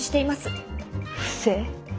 不正？